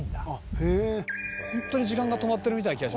ホントに時間が止まってるみたいな気がしますね。